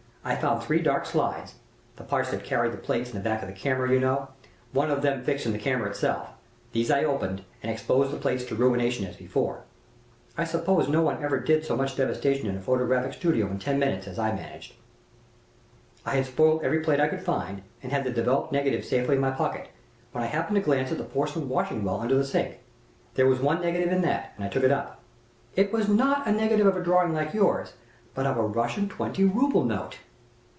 I found three dark slides the parts that carried the plates in the back of the camera, you know one of them fixed in the camera itself. These I opened, and exposed the plates to ruination as before. I suppose nobody ever did so much devastation in a photographic studio in ten minutes as I managed. "I had spoiled every plate I could find, and had the developed negatives safely in my pocket, when I happened to glance at a porcelain washing well under the sink. There was one negative in that, and I took it up. It was not a negative of a drawing of yours, but of a Russian twenty ruble note!"